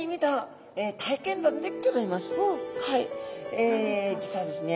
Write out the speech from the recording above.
え実はですね